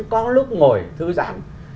có lúc ngồi thư giãn